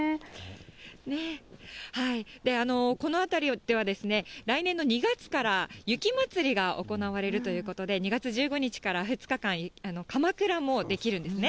この辺りでは、来年の２月から雪祭りが行われるということで、２月１５日から２日間、かまくらも出来るんですね。